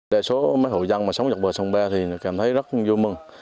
đa số mấy hộ dân mà sống dọc bờ sông ba thì cảm thấy rất vui mừng